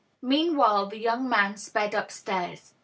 Meanwhile, the young man sped up stairs.